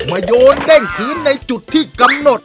โยนเด้งคืนในจุดที่กำหนด